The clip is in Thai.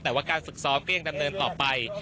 แต่ว่าการฝึกซ้อมก็ยังดำเนินต่อไป